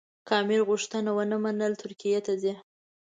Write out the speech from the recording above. که امیر غوښتنه ونه منله ترکیې ته ځي.